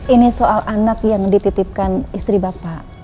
ini soal anak yang dititipkan istri bapak